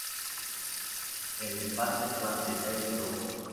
El empate fue ante Dale Crowe.